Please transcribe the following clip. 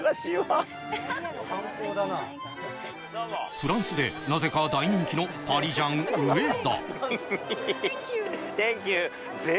フランスでなぜか大人気のパリジャン上田。